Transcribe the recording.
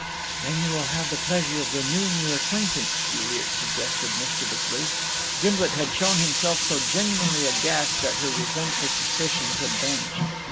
"Then you will have the pleasure of renewing your acquaintance," Juliet suggested mischievously. Gimblet had shown himself so genuinely aghast that her resentful suspicions had vanished.